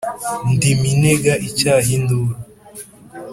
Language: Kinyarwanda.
Ndi Minega icyaha induru